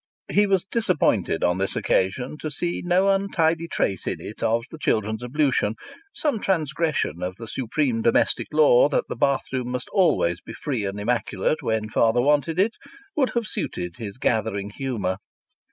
He was disappointed on this occasion to see no untidy trace in it of the children's ablution; some transgression of the supreme domestic law that the bathroom must always be free and immaculate when father wanted it would have suited his gathering humour.